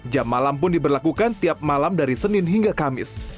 jam malam pun diberlakukan tiap malam dari senin hingga kamis